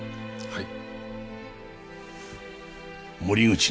はい。